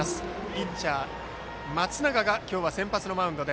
ピッチャー、松永が今日は先発のマウンド。